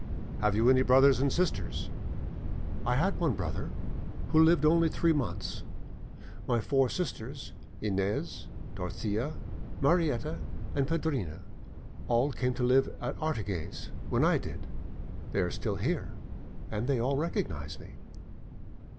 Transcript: "Have you any brothers and sisters?" "I had one brother, who only lived three months. My four sisters, Inez, Dorothea, Marietta, and Pedrina, all came to live at Artigues when I did; they are there still, and they all recognised me."